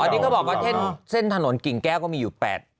อันนี้ก็บอกว่าเส้นถนนกิ่งแก้วก็มีอยู่๘องค์